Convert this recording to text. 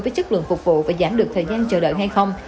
với chất lượng phục vụ và giảm được thời gian chờ đợi hay không